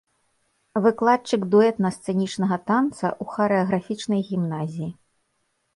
Выкладчык дуэтныя-сцэнічнага танца ў харэаграфічнай гімназіі.